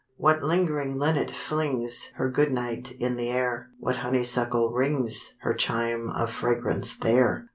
What lingering linnet flings Her good night in the air? What honeysuckle rings Her chime of fragrance there?